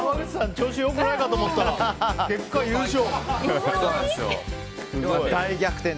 調子良くないかと思ったら結果、優勝。